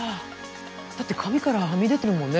だって紙からはみ出てるもんね